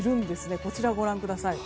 こちら、ご覧ください。